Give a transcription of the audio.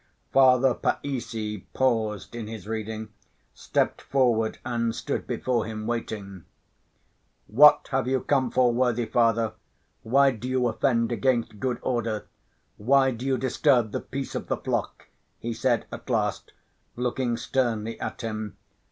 Father Païssy paused in his reading, stepped forward and stood before him waiting. "What have you come for, worthy Father? Why do you offend against good order? Why do you disturb the peace of the flock?" he said at last, looking sternly at him.